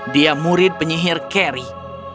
dia murid penyihir carrie